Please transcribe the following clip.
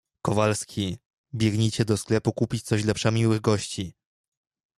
Kowalski, biegnijcie do sklepu kupić coś dla przemiłych gości!